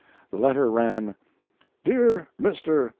The letter ran: DEAR MR.